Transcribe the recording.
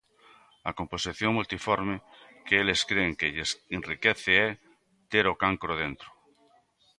A composición multiforme que eles cren que lles enriquece é ter o cancro dentro.